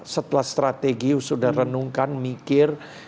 setelah strategi sudah renungkan mikir